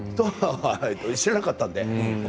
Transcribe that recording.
知らなかったのでね。